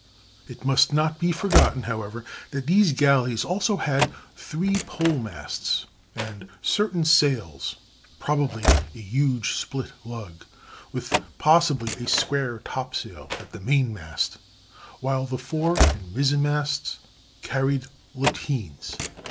It must not be forgotten, however, that these galleys also had three pole masts, and certain sails—probably a huge split lug, with possibly a square topsail on the mainmast, while the fore and mizzenmasts carried lateens.